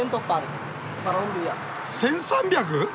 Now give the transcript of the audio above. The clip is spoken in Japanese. １３００！？